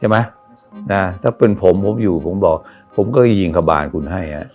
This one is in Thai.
ถ้าเป็นผมผมอยู่ผมบอกผมก็จะยิงขบานคุณให้